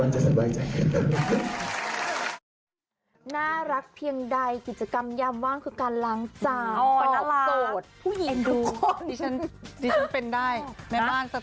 ว่าจะสบายใจไหม